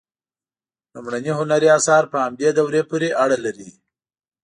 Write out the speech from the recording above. لومړني هنري آثار په همدې دورې پورې اړه لري.